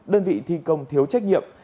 đơn vị thi công thiếu trách nhiệm